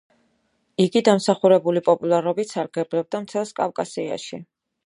იგი დამსახურებული პოპულარობით სარგებლობდა მთელს კავკასიაში.